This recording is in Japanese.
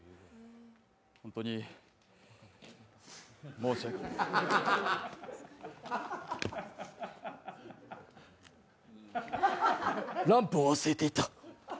ホントに申し訳ないランプを忘れていた。